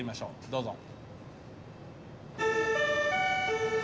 どうぞ。